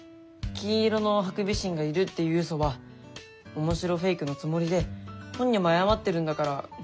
金色のハクビシンがいるっていうウソは面白フェイクのつもりで本人も謝ってるんだからいいんじゃないの？